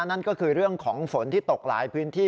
นั่นก็คือเรื่องของฝนที่ตกหลายพื้นที่